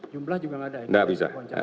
jumlah juga enggak ada